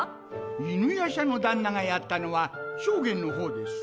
犬夜叉の旦那がやったのは将監の方です。